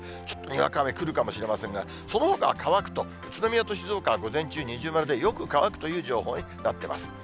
ちょっとにわか雨、来るかもしれませんが、そのほかは乾くと、宇都宮と静岡は午前中、二重丸でよく乾くという情報になってます。